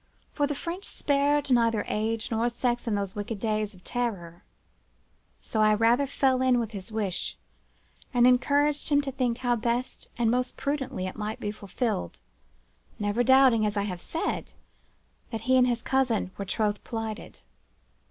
—for the French spared neither age nor sex in those wicked days of terror. So I rather fell in with his wish, and encouraged him to think how best and most prudently it might be fulfilled; never doubting, as I have said, that he and his cousin were troth plighted.